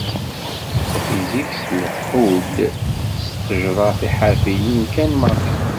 Tafizikt tlehhu-d d tejṛa tiḥerfiyin kan maḍi.